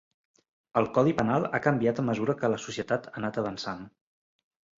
El codi penal ha canviat a mesura que la societat ha anat avançant.